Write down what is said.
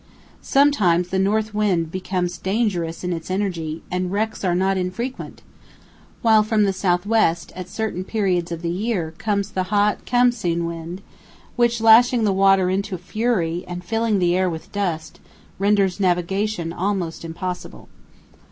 Sometimes the north wind becomes dangerous in its energy, and wrecks are not infrequent, while from the south west, at certain periods of the year, comes the hot "khamsīn" wind, which, lashing the water into fury, and filling the air with dust, renders navigation almost impossible.